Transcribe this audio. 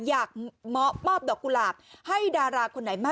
ให้ก็ติดราคาของไหน